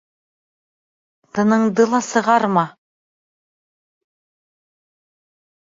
Тыныңды ла сығарма!